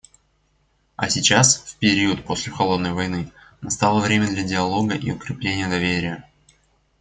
А сейчас, в период после «холодной войны», настало время для диалога и укрепления доверия.